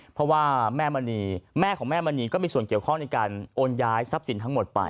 เพราะว่าแม่มณีแม่ของแม่มณีก็มีส่วนเกี่ยวข้องในการโอนย้ายทรัพย์สินทั้งหมดไป